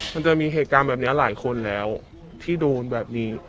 มันจะมีเหตุการณ์แบบนี้หลายคนแล้วที่โดนแบบนี้